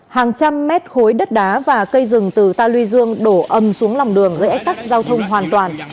hàng trăm mét khối đất đá và cây rừng từ ta lưu dương đổ âm xuống lòng đường dưới ếch tắc giao thông hoàn toàn